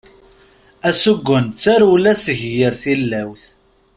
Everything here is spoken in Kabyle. Asugen d tarewla seg yir tillawt.